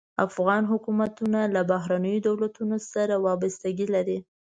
افغان حکومتونه له بهرنیو دولتونو سره وابستګي لري.